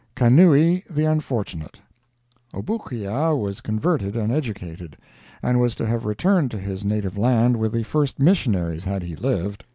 KANUI THE UNFORTUNATE Obookia was converted and educated, and was to have returned to his native land with the first missionaries, had he lived.